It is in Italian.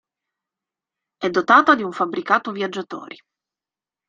È dotata di un fabbricato viaggiatori.